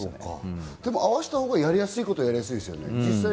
合わせたほうがやりやすいことはやりやすいですよね。